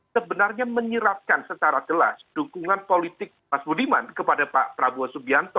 sebenarnya menyerapkan secara jelas dukungan politik mas budiman kepada pak prabowo subianto